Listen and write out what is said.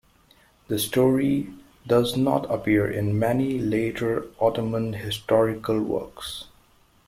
This story does not appear in many later Ottoman historical works.